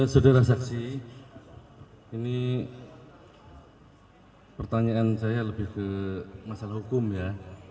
saudara saksi ini pertanyaan saya lebih ke masalah hukum ya